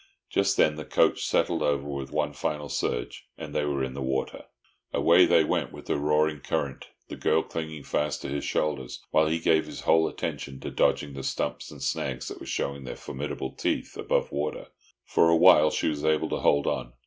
Just then the coach settled over with one final surge, and they were in the water. Away they went with the roaring current, the girl clinging fast to his shoulders, while he gave his whole attention to dodging the stumps and snags that were showing their formidable teeth above water. For a while she was able to hold on.